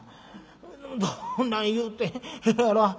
「どんなん言うてええやら」。